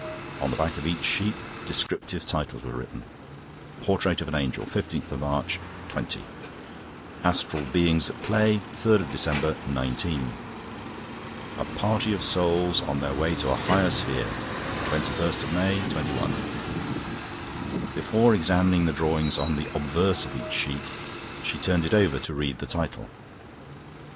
On the back of each sheet descriptive titles were written: "Portrait of an Angel, 15th March '20;" "Astral Beings at Play, 3rd December '19;" "A Party of Souls on their Way to a Higher Sphere, 21st May '21." Before examining the drawing on the obverse of each sheet, she turned it over to read the title.